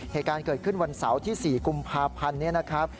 เหตุการณ์เกิดขึ้นวันเสาร์ที่๔กุมภาพันธ์นี้นะครับ